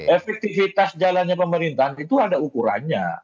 efektivitas jalannya pemerintahan itu ada ukurannya